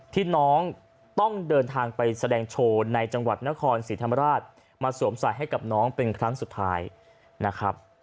ที่น้องต้องเดินทางไปแสดงโชว์ในจังหวัดนครศรีธรรมราชมาสวมใส่ให้กับน้องเป็นครั้งสุดท้ายนะครับ